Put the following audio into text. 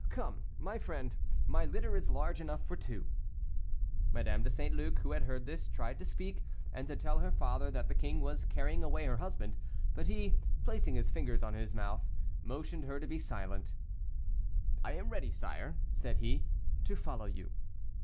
Come, my friend, my litter is large enough for two." Madame de St. Luc, who had heard this, tried to speak, and to tell her father that the king was carrying away her husband, but he, placing his fingers on his month, motioned her to be silent. "I am ready, sire," said he, "to follow you."